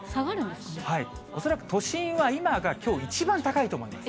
恐らく都心は今がきょう一番高いと思います。